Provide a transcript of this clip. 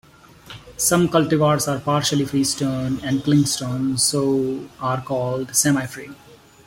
Some cultivars are partially freestone and clingstone, so are called semifree.